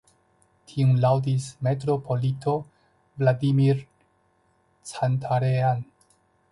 Tion laŭdis metropolito Vladimir Cantarean.